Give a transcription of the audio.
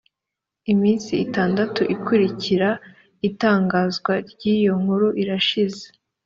iminsi itandatu ikurikira itangazwa ry’iyo nkuru irashize